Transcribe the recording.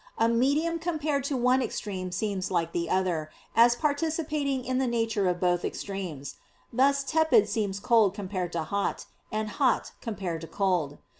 A medium compared to one extreme seems like the other, as participating in the nature of both extremes; thus tepid seems cold compared to hot, and hot compared to cold.